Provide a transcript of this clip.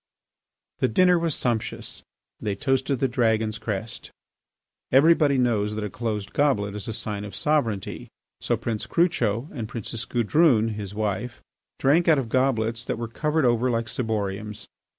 The dinner was sumptuous. They toasted the Dragon's crest. Everybody knows that a closed goblet is a sign of sovereignty; so Prince Crucho and Princess Gudrune, his wife, drank out of goblets that were covered over like ciboriums.